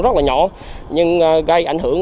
rất là nhỏ nhưng gây ảnh hưởng